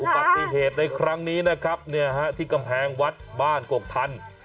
ปฏิเหตุในครั้งนี้นะครับที่กำแพงวัดบ้านกกทัน